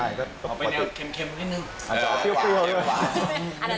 ออกไปเนี่ยเค็มแค่นึง